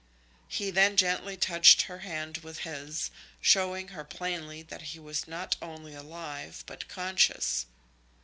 He then gently touched her hand with his, showing her plainly that he was not only alive, but conscious.